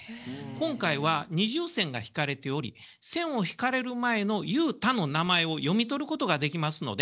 今回は二重線が引かれており線を引かれる前の「雄太」の名前を読み取ることができますので